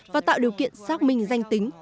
và tạo điều kiện xác minh danh tính